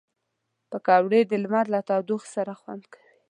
پکورې د لمر له تودوخې سره خوند کوي